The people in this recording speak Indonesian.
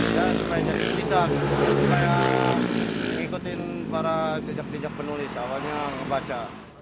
supaya bisa ikutin para kejak kejak penulis awalnya ngebaca